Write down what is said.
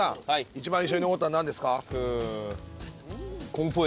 一番印象に残ったのはなんですか？